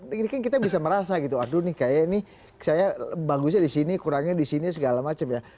ini kan kita bisa merasa aduh ini kayaknya saya bagusnya di sini kurangnya di sini segala macam ya